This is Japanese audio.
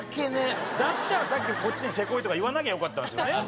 だったらさっきこっちにせこいとか言わなきゃよかったんですよね。